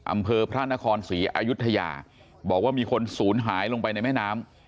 อำเภอพระนครศรีอายุทยาบอกว่ามีคนศูนย์หายลงไปในแม่น้ำ